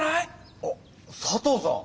あっ佐藤さん！